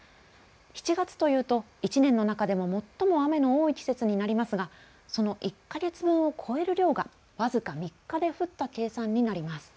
７月というと１年の中でも最も雨の多い季節になりますがその１か月分を超える量が僅か３日で降った計算になります。